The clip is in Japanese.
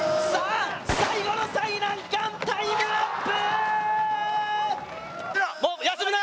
最後の最難関、タイムアップ！